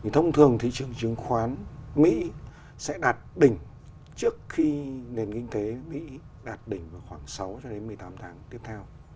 thông thường thị trường chứng khoán mỹ sẽ đạt đỉnh trước khi nền kinh tế mỹ đạt đỉnh vào khoảng sáu một mươi tám tháng tiếp theo